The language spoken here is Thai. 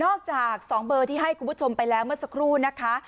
จาก๒เบอร์ที่ให้คุณผู้ชมไปแล้วเมื่อสักครู่นะคะ